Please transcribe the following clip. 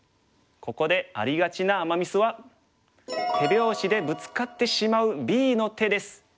ここでありがちなアマ・ミスは手拍子でブツカってしまうＢの手です。